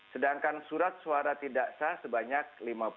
sedangkan surat suara tidak sah sebanyak lima puluh